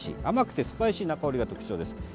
甘くてスパイシーな香りが特徴です。